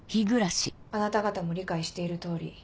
あなた方も理解している通り